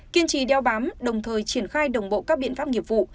kiên trì đeo bám đồng thời triển khai đồng bộ các biện pháp nghiệp vụ